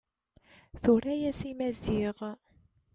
Tura-yas i Maziɣ.